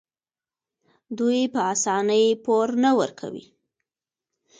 دوی په اسانۍ پور نه ورکوي.